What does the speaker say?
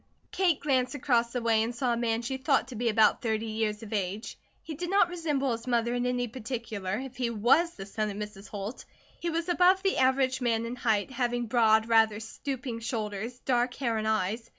Kate glanced across the way and saw a man she thought to be about thirty years of age. He did not resemble his mother in any particular, if he was the son of Mrs. Holt. He was above the average man in height, having broad, rather stooping shoulders, dark hair and eyes.